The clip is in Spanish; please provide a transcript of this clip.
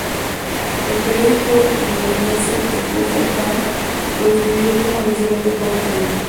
El periódico londinense "The Sunday Times" lo describió como "el excelente Paul Dean".